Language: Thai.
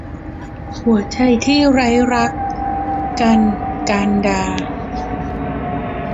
หัวใจที่ไร้รัก - กันย์ กานดา